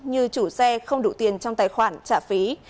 như chủ xe không đủ tiền trong tài khoản trả phí